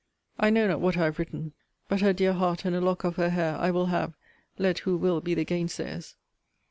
I know not what I have written. But her dear heart and a lock of her hair I will have, let who will be the gainsayers!